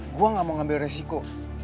gue gak mau ngambil resiko